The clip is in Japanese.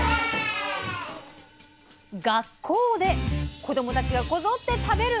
学校で子どもたちがこぞって食べる！